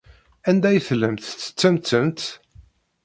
Anda ay tellamt tettettemt-tent?